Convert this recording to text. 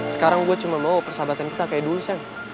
sekarang gue cuma mau persahabatan kita kayak dulu sih